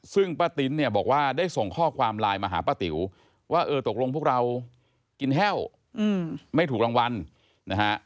ซึ่งป้าติ๊นเนี่ยบอกว่าได้ส่งข้อความไลน์มาหาป้าติ๋วว่าเออตกลงพวกเรากินแห้วไม่ถูกรางวัลนะฮะ